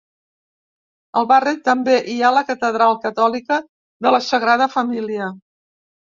Al barri també hi ha la Catedral catòlica de la Sagrada Família.